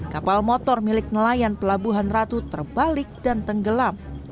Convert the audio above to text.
kapal motor milik nelayan pelabuhan ratu terbalik dan tenggelam